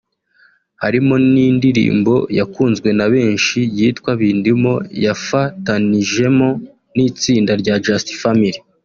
harimo n’indirimbo yakunzwe na benshi yitwa Bindimo yafatanijemo n’itsinda rya Just Family